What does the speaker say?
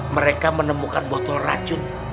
mereka menemukan botol racun